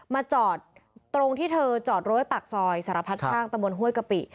มาจอดตรงที่เธอจอดโรยปากซอยสารพัดช่างตะบนห้วยกะปิ